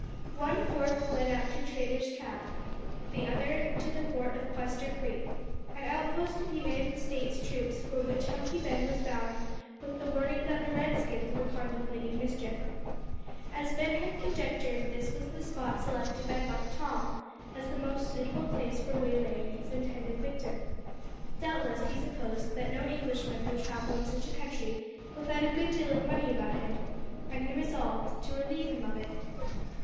One fork led up to Traitor's Trap, the other to the fort of Quester Creek, an out post of United States troops for which Hunky Ben was bound with the warning that the Redskins were contemplating mischief. As Ben had conjectured, this was the spot selected by Buck Tom as the most suitable place for waylaying his intended victim. Doubtless he supposed that no Englishman would travel in such a country without a good deal of money about him, and he resolved to relieve him of it.